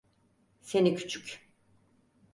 Seni küçük…